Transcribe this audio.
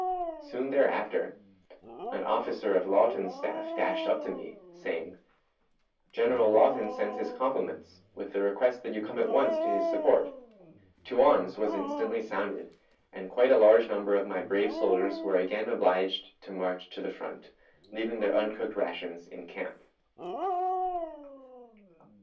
Soon, thereafter, an officer of Lawton's staff dashed up to me, saying, 'General Lawton sends his compliments, with the request that you come at once to his support.' 'To arms!' was instantly sounded, and quite a large number of my brave soldiers were again obliged to march to the front, leaving their uncooked rations in camp.